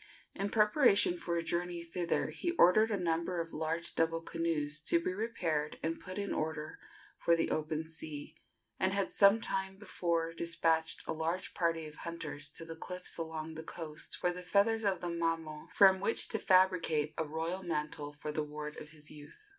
In preparation for a journey thither he ordered a number of large double canoes to be repaired and put in order for the open sea, and had some time before despatched a large party of hunters to the cliffs along the coast for the feathers of the mamo, from which to fabricate a royal mantle for the ward of his youth.